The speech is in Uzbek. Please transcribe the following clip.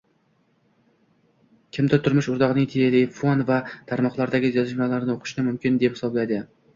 Kimdir turmush oʻrtogʻining telefon va tarmoqlardagi yozishmalarini oʻqishni mumkin deb hisoblaydi.